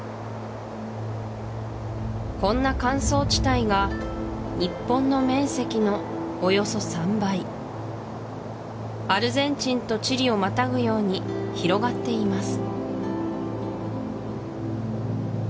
こんな乾燥地帯が日本の面積のおよそ３倍アルゼンチンとチリをまたぐように広がっています